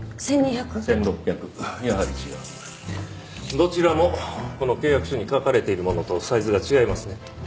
どちらもこの契約書に書かれているものとサイズが違いますね。